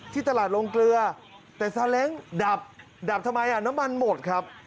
ที่ตลาดโรงเกลือแต่ซาเล้งดับดับทำไมอ่ะน้ำมันหมดครับ